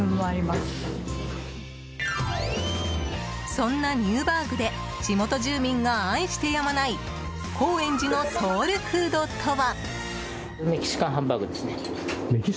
そんなニューバーグで地元住民が愛してやまない高円寺のソウルフードとは？